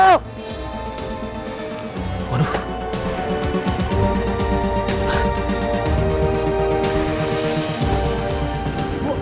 ibu ada apaan bu